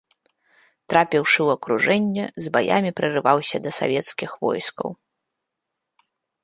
Трапіўшы ў акружэнне, з баямі прарываўся да савецкіх войскаў.